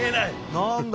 何だ？